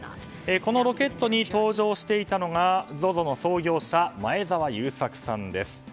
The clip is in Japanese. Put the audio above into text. このロケットに搭乗していたのがＺＯＺＯの創業者前澤友作さんです。